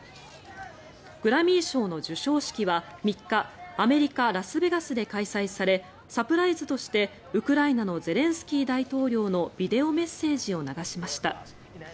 グラミー賞の授賞式は３日アメリカ・ラスベガスで開催されサプライズとしてウクライナのゼレンスキー大統領のビデオメッセージを流しました。